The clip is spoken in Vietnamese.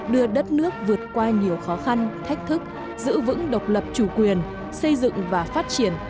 đưa đất nước vượt qua nhiều khó khăn thách thức giữ vững độc lập chủ quyền xây dựng và phát triển